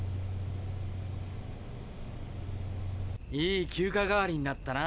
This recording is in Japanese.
いい休暇代わりになったな。